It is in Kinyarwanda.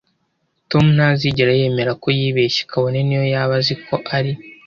Tom ntazigera yemera ko yibeshye kabone niyo yaba azi ko ari